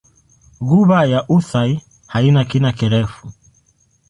Ghuba ya Uthai haina kina kirefu.